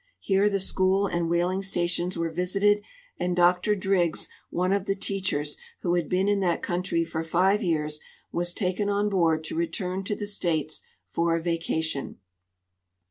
Here the school and whaling stations were visited, and Dr Driggs. one of the teachers, who had been in that country for five years, was taken on board to return to the states for a vacation.